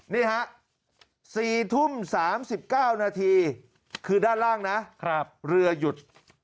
นี่ฮะ๔ทุ่ม๓๙นาทีคือด้านล่างนะเรือหยุด